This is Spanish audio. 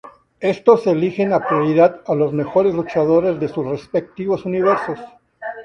Estos eligen, a prioridad, a los mejores luchadores de sus respectivos Universos.